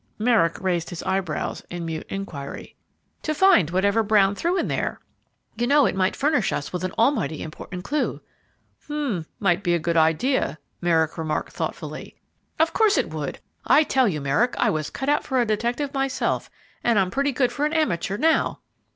Merrick raised his eyebrows in mute inquiry. "To find whatever Brown threw in there, you know; it might furnish us with an almighty important clue." "H'm! might be a good idea," Merrick remarked, thoughtfully. "Of course it would! I tell you, Merrick, I was cut out for a detective myself, and I'm pretty good for an amateur, now."